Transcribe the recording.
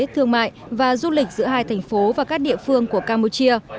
thương mại và du lịch giữa hai thành phố và các địa phương của campuchia